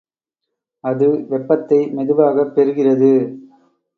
அது வெப்பத்தை மெதுவாகப் பெறுகிறது.